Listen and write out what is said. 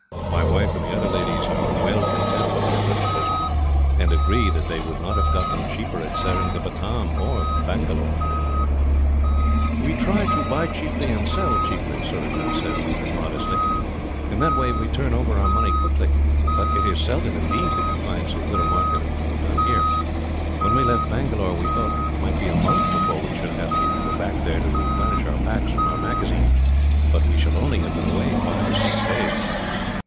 My wife and the other ladies are all well content with their purchases, and agree that they would not have got them cheaper at Seringapatam, or Bangalore." "We try to buy cheaply and sell cheaply," Surajah said modestly. "In that way we turn over our money quickly. But it is seldom, indeed, that we find so good a market as we have done here. When we left Bangalore, we thought that it might be a month before we should have to go back there to replenish our packs from our magazine; but we shall only have been away five or six days."